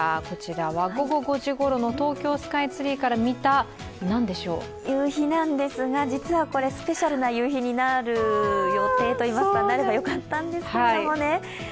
こちらは午後５時ごろの東京スカイツリーから見た、何でしょう夕日なんですが、実はこれ、スペシャルな夕日になるなればよかったんですけどもね。